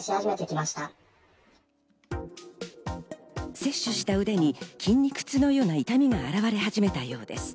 接種した腕に筋肉痛のような痛みが現れ始めたようです。